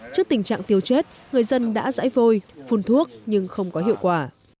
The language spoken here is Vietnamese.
trước tình trạng tiêu chết người dân đã dãy vôi phun thuốc nhưng không có hiệu quả